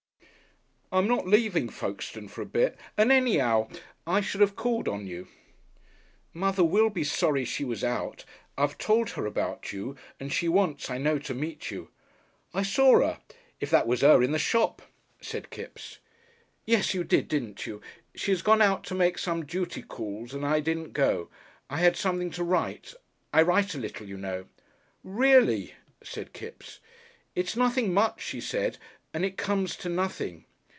"I'm not leaving Folkestone for a bit, and any'ow, I should have called on you." "Mother will be sorry she was out. I've told her about you, and she wants, I know, to meet you." "I saw 'er if that was 'er in the shop," said Kipps. "Yes you did, didn't you!... She has gone out to make some duty calls, and I didn't go. I had something to write. I write a little, you know." "Reely!" said Kipps. "It's nothing much," she said, "and it comes to nothing."